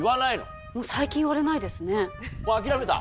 もう諦めた？